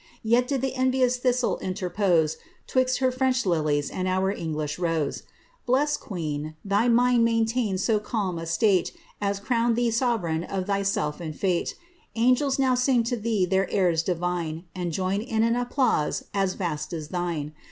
Yet did the enrious thistle interpose *Twixt her French lilies and our English rose I Blest queen, thy mind maintained so calm a state As crowneii thee sovereign of thyself and fate : Angels now sing to thee their airs divine, And join in an applause as vast as thine.